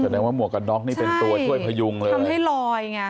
แสดงว่าหมวกกันน็อกนี่เป็นตัวช่วยพยุงเลยทำให้ลอยไง